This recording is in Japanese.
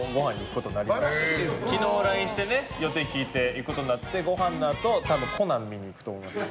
昨日ＬＩＮＥしてね予定聞いて行くことになってご飯の後たぶん『コナン』見に行くと思います。